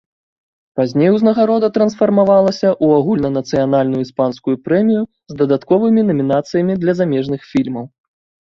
Пазней узнагарода трансфармавалася ў агульнанацыянальную іспанскую прэмію з дадатковымі намінацыямі для замежных фільмаў.